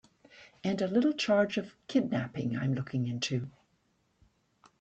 And a little charge of kidnapping I'm looking into.